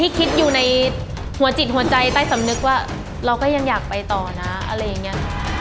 คิดอยู่ในหัวจิตหัวใจใต้สำนึกว่าเราก็ยังอยากไปต่อนะอะไรอย่างนี้